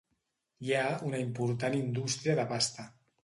Hi ha una important indústria de pasta.